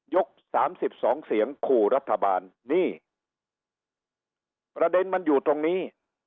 สามสิบสองเสียงขู่รัฐบาลนี่ประเด็นมันอยู่ตรงนี้